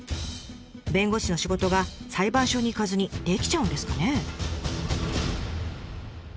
弁護士の仕事が裁判所に行かずにできちゃうんですかね？